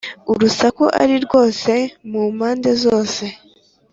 urusaku ari rwose mu mpande zose,